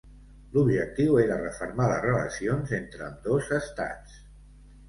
L'Objectiu era refermar les relacions entre ambdós estats.